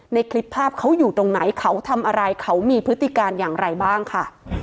ในคลิปภาพเขาอยู่ตรงไหนเขาทำอะไรเขามีพฤติการอย่างไรบ้างค่ะ